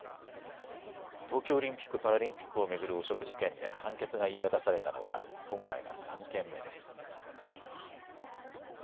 東京オリンピック・パラリンピックを巡る汚職事件で判決が言い渡されたのは今回が３件目です。